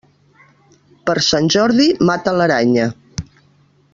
Per Sant Jordi, mata l'aranya.